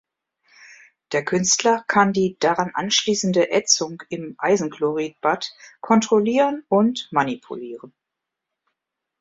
Der Künstler kann die daran anschließende Ätzung im Eisenchlorid-Bad kontrollieren und manipulieren.